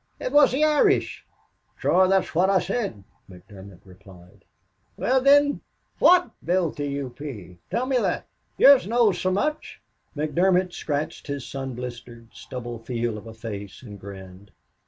It was the Irish." "Shure, thot's phwat I said," McDermott replied. "Wal, thin, phwat built the U. P.? Tell me thot. Yez knows so much." McDermott scratched his sun blistered, stubble field of a face, and grinned.